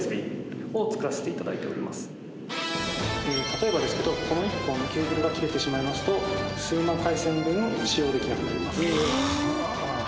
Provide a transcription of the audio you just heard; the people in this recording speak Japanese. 例えばですけどこの１本ケーブルが切れてしまいますと数万回線分使用できなくなります。